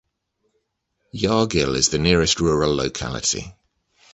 Yargil is the nearest rural locality.